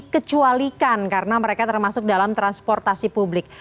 akan dikecualikan karena mereka termasuk dalam transportasi publik